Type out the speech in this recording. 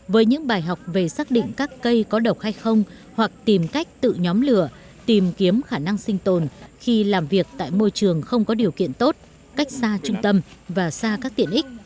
với những bài học về xác định các cây có độc hay không hoặc tìm cách tự nhóm lửa tìm kiếm khả năng sinh tồn khi làm việc tại môi trường không có điều kiện tốt cách xa trung tâm và xa các tiện ích